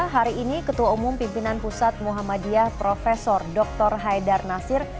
hari ini ketua umum pimpinan pusat muhammadiyah prof dr haidar nasir